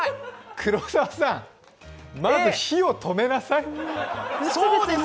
黒澤さん、まず火を止めなさい！